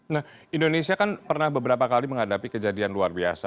nah indonesia kan pernah beberapa kali menghadapi kejadian luar biasa